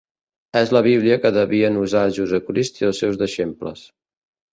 És la Bíblia que devien usar Jesucrist i els seus deixebles.